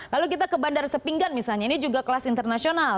lalu kita ke bandar sepinggan misalnya ini juga kelas internasional